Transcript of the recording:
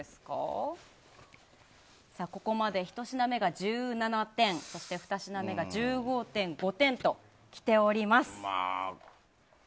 ここまで、ひと品目が１７点２品目が１５．５点ときております。